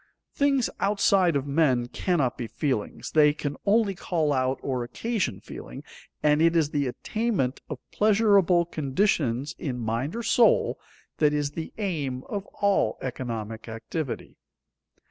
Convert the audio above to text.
Things outside of men cannot be feelings, they can only call out or occasion feeling, and it is the attainment of pleasurable conditions in mind or soul that is the aim of all economic activity.